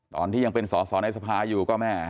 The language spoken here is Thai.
ตอนที่ยังเป็นสอสอในสภาอยู่ก็แม่